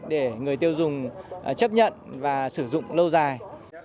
để người tiêu dùng chấp nhận và sử dụng lâu dài